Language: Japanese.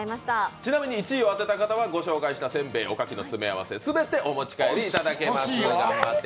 ちなみに１位を当てた方は御紹介した煎餅お菓子の詰め合わせを全部お持ち帰り頂きます。